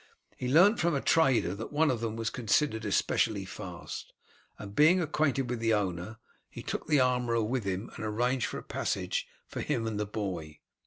He learnt from a trader that one of them was considered especially fast, and being acquainted with the owner, he took the armourer with him, and arranged for a passage for him and the boy.